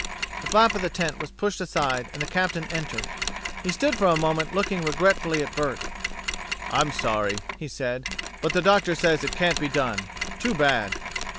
The flap of the tent was pushed aside and the Captain entered. He stood for a moment looking regretfully at Bert. "I'm sorry," he said, "but the doctor says it can't be done. Too bad!"